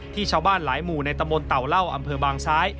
ชาวบ้านหลายหมู่ในตำบลเต่าเหล้าอำเภอบางซ้าย